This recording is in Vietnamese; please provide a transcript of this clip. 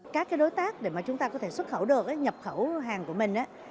các đối tác để mà chúng ta có thể xuất khẩu được nhập khẩu hàng của mình